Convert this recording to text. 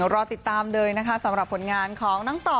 รอติดตามเลยนะคะสำหรับผลงานของน้องต่อ